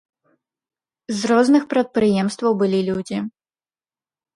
З розных прадпрыемстваў былі людзі.